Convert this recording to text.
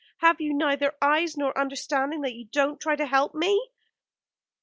Have you neither eyes nor understanding that you don't try to help me?"